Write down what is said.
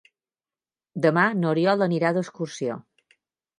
Demà n'Oriol anirà d'excursió.